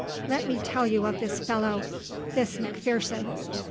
Let me tell you of this fellow this McPherson!"